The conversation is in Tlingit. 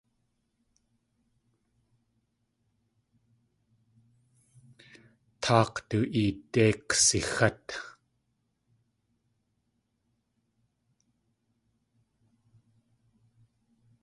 Tláak̲ du eedéi ksixát.